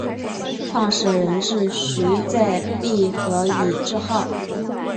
创始人是徐载弼和尹致昊。